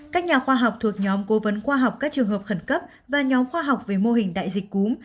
các nhà khoa học thuộc nhóm cố vấn khoa học các trường hợp khẩn cấp và nhóm khoa học về mô hình đại dịch cúm